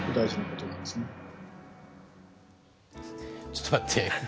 ちょっと待って。